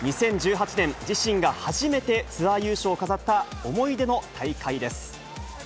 ２０１８年に、自身が初めてツアー優勝を飾った思い出の大会です。